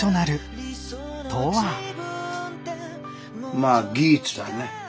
まあ技術だね。